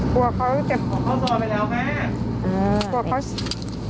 กลัวเขาเจ็บของเขาต่อไปแล้วค่ะ